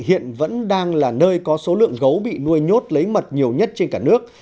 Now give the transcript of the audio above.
hiện vẫn đang là nơi có số lượng gấu bị nuôi nhốt lấy mật nhiều nhất trên cả nước